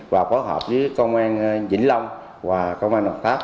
và phối hợp với công an vĩnh long và công an đồng tháp